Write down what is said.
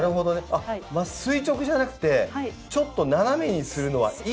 あっ垂直じゃなくてちょっと斜めにするのはいいんですか？